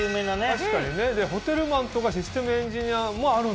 確かにねホテルマンとかシステムエンジニアもあるんだね。